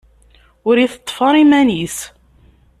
Ur iteṭṭef ara iman-is.